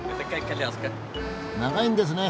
長いんですね。